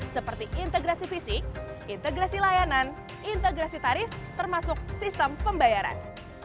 seperti integrasi fisik integrasi layanan integrasi tarif termasuk sistem pembayaran